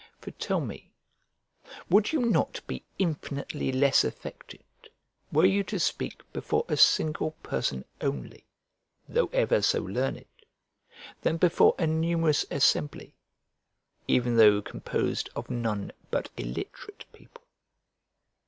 For tell me, would you not be infinitely less affected were you to speak before a single person only, though ever so learned, than before a numerous assembly, even though composed of none but illiterate people?